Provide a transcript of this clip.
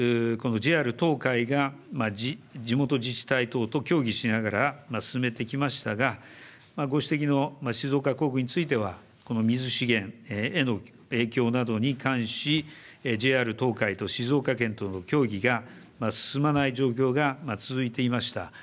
ＪＲ東海が、地元自治体等と協議しながら進めてきましたが、ご指摘の静岡工区につきましては、水資源への影響などに関し、ＪＲ東海と静岡県との協議が進まない状況が続いていました。